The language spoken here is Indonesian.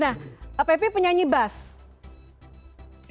nah pepi penyanyi bass